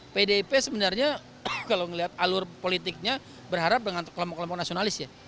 pdip sebenarnya kalau melihat alur politiknya berharap dengan kelompok kelompok nasionalis ya